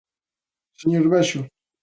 Señor Bexo.